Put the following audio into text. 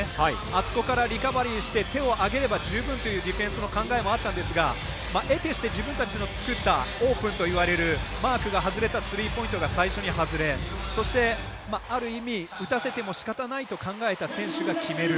あそこからリカバリーして手を挙げれば十分というディフェンスの考えもあったんですがえてして自分たちの作ったオープンといわれるマークが外れたシュートが最初に外れそして、ある意味打たせてもしかたないと考えた選手が決める。